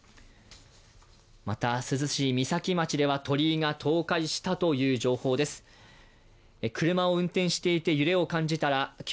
また、珠洲市三崎町では鳥居が倒壊したという情報です。